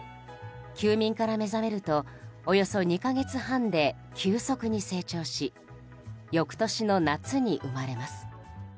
休眠から目覚めるとおよそ２か月半で急速に成長し翌年の夏に生まれます。